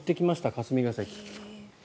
霞が関。